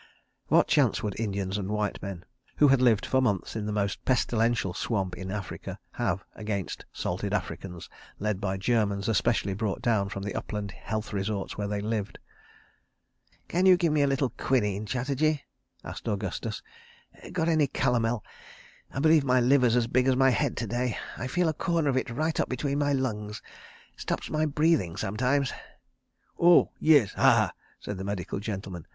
What chance would Indians and white men, who had lived for months in the most pestilential swamp in Africa, have against salted Africans led by Germans especially brought down from the upland health resorts where they lived? ... "Can you give me a little quinine, Chatterji?" asked Augustus. "Got any calomel? I b'lieve my liver's as big as my head to day. I feel a corner of it right up between my lungs. Stops my breathing sometimes. ..." "Oah, yees. Ha! Ha!" said the medical gentleman.